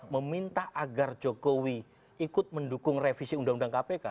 meminta agar jokowi ikut mendukung revisi undang undang kpk